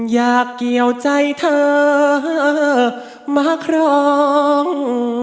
อยากเกี่ยวใจเธอมาครอง